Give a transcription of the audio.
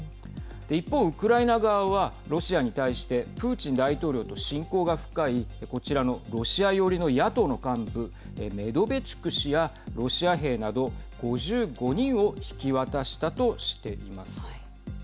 一方ウクライナ側はロシアに対してプーチン大統領と親交が深いこちらのロシア寄りの野党の幹部メドベチュク氏やロシア兵など、５５人を引き渡したとしています。